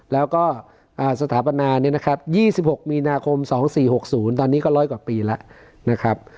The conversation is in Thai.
แล้วก็สถาปนาเนี่ยนะครับ๒๖มีนาคม๒๔๖๐ตอนนี้ก็๑๐๐กว่าปีแล้วนะครับ